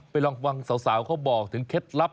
ลองฟังสาวเขาบอกถึงเคล็ดลับ